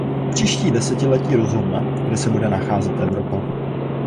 Příští desetiletí rozhodne, kde se bude nacházet Evropa.